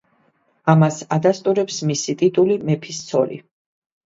ამას ადასტურებს მისი ტიტული „მეფის ცოლი“.